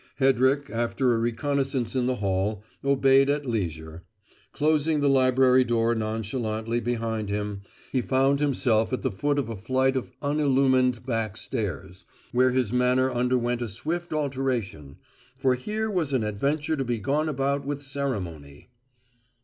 Hedrick, after a reconnaissance in the hall, obeyed at leisure. Closing the library door nonchalantly behind him, he found himself at the foot of a flight of unillumined back stairs, where his manner underwent a swift alteration, for here was an adventure to be gone about with ceremony.